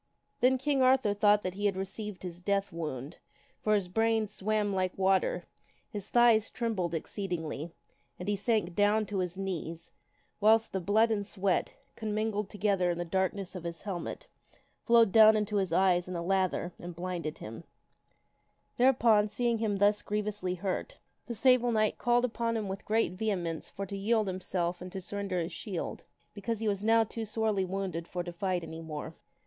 Then King Arthur thought that he had received his death wound, for his brains swam like water, his thighs trembled exceedingly, and he sank down to his knees, whilst the blood and sweat, commingled together in the darkness of his helmet, flowed down into his eyes in a lather and blinded King Arthur is hi m Thereupon, seeing him thus grievously hurt, the Sable sorely wounded. Knight called upon him with great vehemence for to yield himself and to surrender his shield, because he was now too sorely wounded for to fight any more.